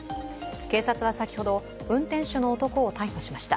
警察は先ほど運転手の男を逮捕しました。